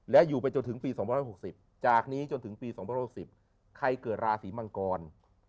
และอยู่ไปจนถึงปี๒๖๐จากนี้จนถึงปี๒๐๖๐ใครเกิดราศีมังกร